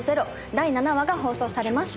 第７話が放送されます。